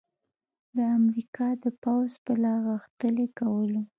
د امریکا د پوځ په لاغښتلي کولو